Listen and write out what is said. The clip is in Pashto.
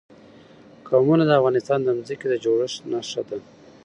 قومونه د افغانستان د ځمکې د جوړښت نښه ده.